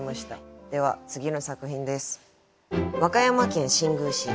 では次の作品です。